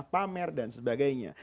pamer dan sebagainya